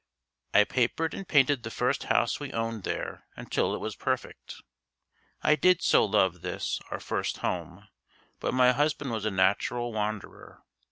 I papered and painted the first house we owned there until it was perfect. I did so love this, our first home, but my husband was a natural wanderer.